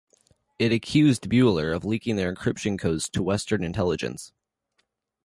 It accused Buehler of leaking their encryption codes to Western intelligence.